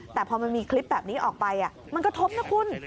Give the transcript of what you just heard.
แต่พอมันมีคลิปแบบนี้ออกไปมันกระทบนะคุณ